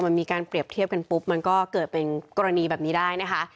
มันมีการเปรียบเทียบกันปุ๊บมันก็เกิดเป็นกรณีแบบนี้ได้นะคะ